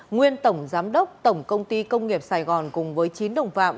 nguyên tổng giám đốc tổng công ty công nghiệp sài gòn cùng với chín đồng phạm